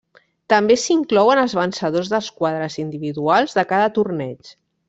També s'inclouen els vencedors dels quadres individuals de cada torneig.